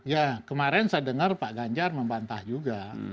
ya kemarin saya dengar pak ganjar membantah juga